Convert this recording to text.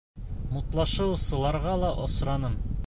Мутлашыусыларға ла осраным.